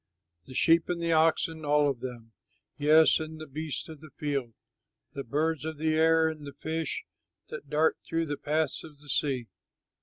The sheep and the oxen, all of them, Yes, and the beasts of the field, The birds of the air and the fish, That dart through the paths of the sea.